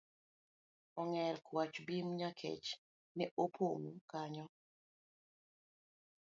Ong'er, kwach, Bim, nyakech ne opong'o kanyo